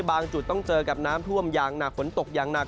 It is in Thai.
จุดต้องเจอกับน้ำท่วมอย่างหนักฝนตกอย่างหนัก